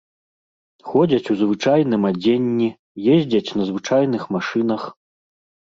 Ходзяць у звычайным адзенні, ездзяць на звычайных машынах.